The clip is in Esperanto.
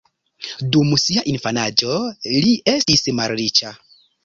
Dum sia infanaĝo, li estis malriĉa.